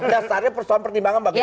dasarnya persoalan pertimbangan bagi kita